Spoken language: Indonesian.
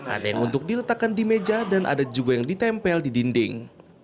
ada yang untuk diletakkan di meja dan ada juga yang ditempel di dinding